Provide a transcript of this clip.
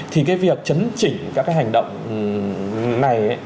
thì việc chấn chỉnh các hành động này